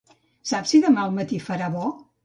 Saps si demà al matí farà bo?